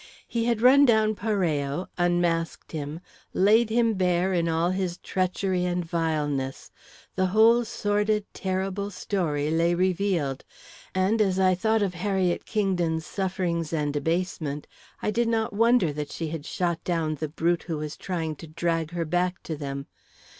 He had run down Parello, unmasked him, laid him bare in all his treachery and vileness; the whole sordid, terrible story lay revealed and as I thought of Harriet Kingdon's sufferings and abasement, I did not wonder that she had shot down the brute who was trying to drag her back to them.